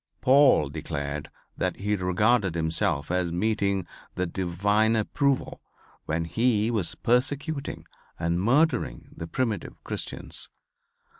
Paul declared that he regarded himself as meeting the divine approval when he was persecuting and murdering the primitive Christians.